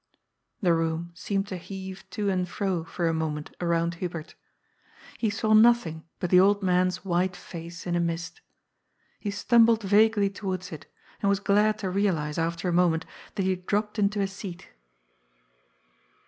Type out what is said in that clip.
The room seemed to heave to and fro for a moment around Hubert. He saw nothing but the old man's white face in a mist. He stumbled vaguely towards it, and was glad to realize, after a moment, that he had dropped into a seat.